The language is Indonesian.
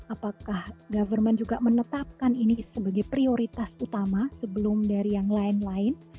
apakah government juga menetapkan ini sebagai prioritas utama sebelum dari yang lain lain